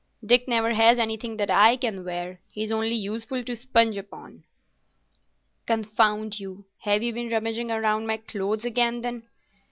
"Dick never has anything that I can wear. He's only useful to sponge upon." "Confound you, have you been rummaging round among my clothes, then?"